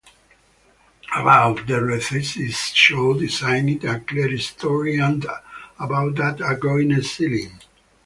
Above the recesses Shaw designed a clerestory, and above that a groined ceiling.